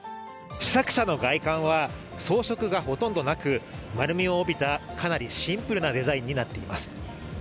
試作車の外観は装飾がほとんどなく丸みを帯びたかなりシンプルなデザインになっています。